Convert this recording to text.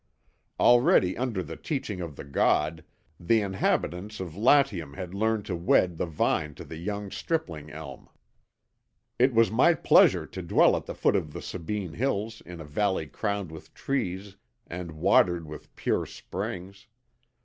Already under the teaching of the god, the inhabitants of Latium had learned to wed the vine to the young stripling elm. It was my pleasure to dwell at the foot of the Sabine hills in a valley crowned with trees and watered with pure springs.